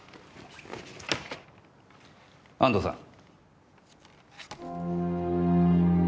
安藤さん。